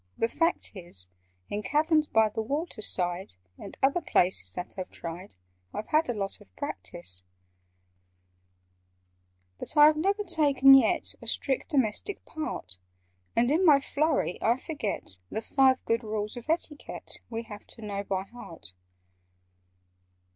The fact is, In caverns by the water side, And other places that I've tried, I've had a lot of practice: "But I have never taken yet A strict domestic part, And in my flurry I forget The Five Good Rules of Etiquette We have to know by heart."